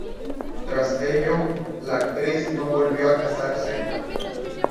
Tras ello, la actriz no volvió a casarse.